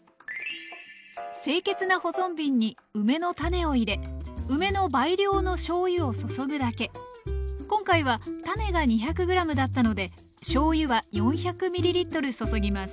清潔な保存瓶に梅の種を入れ梅の倍量のしょうゆを注ぐだけ今回は種が２００ｇだったのでしょうゆは４００ｍｌ注ぎます